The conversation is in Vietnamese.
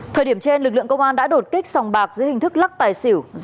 thời điểm trên lực lượng công an đã đột kích sòng bạc dưới hình thức lắc tài xỉu